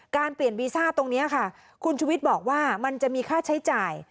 เปลี่ยนวีซ่าตรงนี้ค่ะคุณชุวิตบอกว่ามันจะมีค่าใช้จ่าย